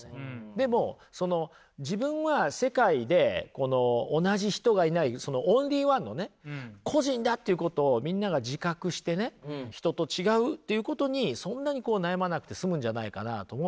でもその自分は世界で同じ人がいないそのオンリーワンのね個人だということをみんなが自覚してね人と違うってことにそんなに悩まなくて済むんじゃないかなと思うんですよね。